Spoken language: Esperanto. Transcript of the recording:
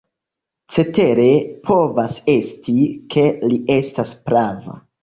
Cetere povas esti, ke li estas prava.